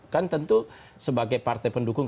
kan tentu sebagai partai pendukung